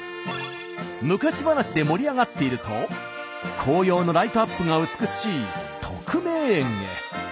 昔話で盛り上がっていると紅葉のライトアップが美しい徳明園へ。